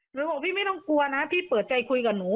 หนูบอกพี่ไม่ต้องกลัวนะพี่เปิดใจคุยกับหนู